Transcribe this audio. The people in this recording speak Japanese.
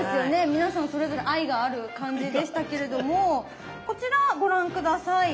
皆さんそれぞれ愛がある感じでしたけれどもこちらご覧下さい。